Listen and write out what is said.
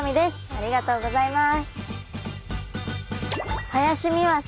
ありがとうございます。